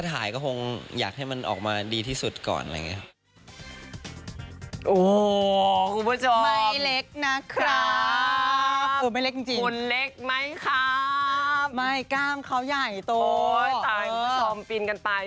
จะรู้ว่าจะรู้ว่าว่ารักของผมมันกูฮูขนาดไหน